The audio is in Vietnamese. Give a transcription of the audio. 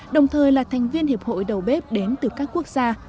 đồng thời là thành viên hiệp hội đầu bếp đến từ các quốc gia